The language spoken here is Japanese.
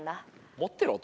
持ってる男？